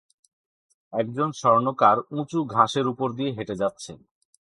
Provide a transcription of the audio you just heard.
একজন স্বর্ণকার উঁচু ঘাসের উপর দিয়ে হেঁটে যাচ্ছে।